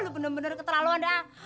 lu bener bener keterlaluan dah